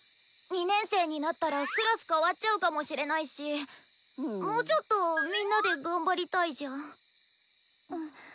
２年生になったらクラス替わっちゃうかもしれないしもうちょっとみんなで頑張りたいじゃん。